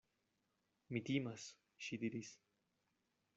Mi timas, ŝi diris.